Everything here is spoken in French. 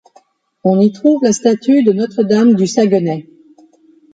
On y trouve la statue de Notre-Dame-du-Saguenay.